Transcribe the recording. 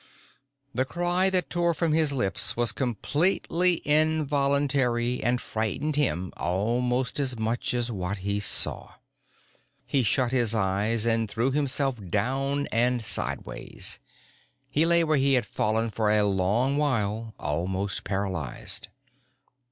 The cry that tore from his lips was completely involuntary and frightened him almost as much as what he saw. He shut his eyes and threw himself down and sideways. He lay where he had fallen for a long while, almost paralyzed.